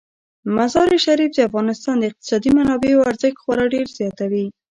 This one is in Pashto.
مزارشریف د افغانستان د اقتصادي منابعو ارزښت خورا ډیر زیاتوي.